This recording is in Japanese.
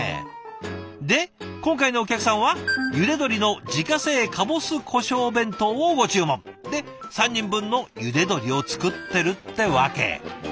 で今回のお客さんは「ゆで鶏の自家製かぼす胡椒弁当」をご注文。で３人分のゆで鶏を作ってるってわけ。